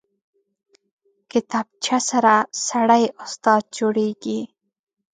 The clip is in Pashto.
کتابچه سره سړی استاد جوړېږي